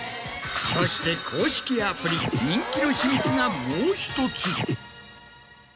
そして公式アプリ人気の秘密がもう１つ。